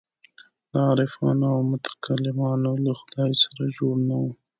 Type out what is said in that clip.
د عارفانو او متکلمانو له خدای سره جوړ نه وو.